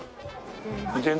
全然。